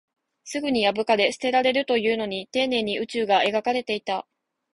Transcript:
すぐに破かれ、捨てられるというのに、丁寧に宇宙が描かれていた